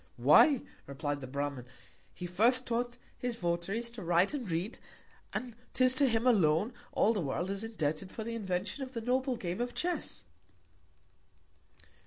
Why, replied the Bramin, he first taught his Votaries to write and read; and 'tis to him alone, all the World is indebted for the Invention of the noble Game of Chess.